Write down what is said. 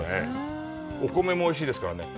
お米もおいしいですからね。